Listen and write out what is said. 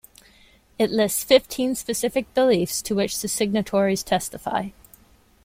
It lists fifteen specific beliefs to which the signatories testify.